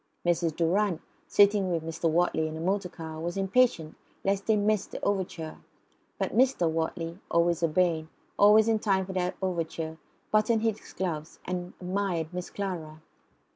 Mrs. Durrant, sitting with Mr. Wortley in a motor car, was impatient lest they should miss the overture. But Mr. Wortley, always urbane, always in time for the overture, buttoned his gloves, and admired Miss Clara.